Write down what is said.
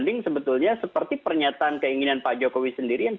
itu menghitung dunia